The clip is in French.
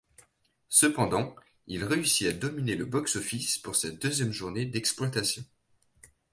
Cependant, il réussit à dominer le box-office pour sa deuxième journée d'exploitation.